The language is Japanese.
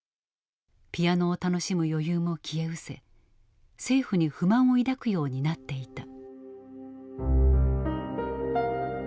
ピアノを楽しむ余裕も消えうせ政府に不満を抱くようになっていた。